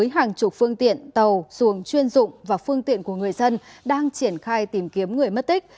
hàng chục phương tiện tàu xuồng chuyên dụng và phương tiện của người dân đang triển khai tìm kiếm người mất tích